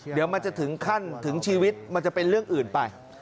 เดี๋ยวมันจะถึงขั้นถึงชีวิตมันจะเป็นเรื่องอื่นไป